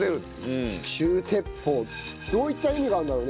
どういった意味があるんだろうね